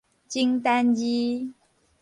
情單字